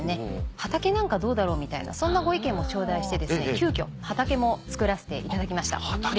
「畑なんかどうだろう」みたいなそんなご意見も頂戴して急きょ畑も造らせていただきました。